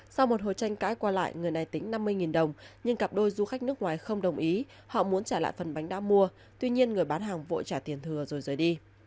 sau một hồi tranh cãi qua lại người này tính năm mươi đồng nhưng cặp đôi du khách nước ngoài không đồng ý họ muốn trả lại phần bánh đã mua tuy nhiên người bán hàng vội trả tiền thừa rồi rời đi